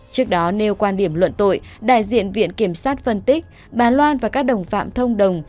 trước đó nêu quan điểm luận tội đại diện viện kiểm sát phân tích bà loan và các đồng phạm thông đồng